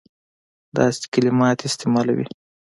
داسي کلمات استعمالوي.